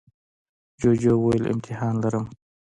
جوجو وویل امتحان لرم.